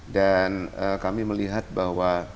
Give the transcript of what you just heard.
dan kami melihat bahwa